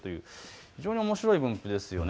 非常におもしろい分布です。